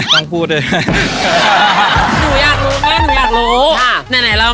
หนูอยากรู้